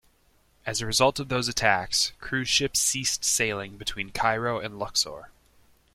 As a result of those attacks, cruise ships ceased sailing between Cairo and Luxor.